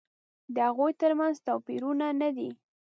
د هغوی تر منځ توپیرونه نه دي.